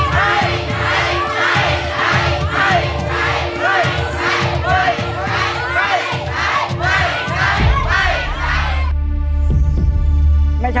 ไม่ใช้ไม่ใช้ไม่ใช้ไม่ใช้ไม่ใช้